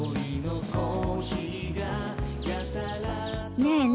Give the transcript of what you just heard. ねえね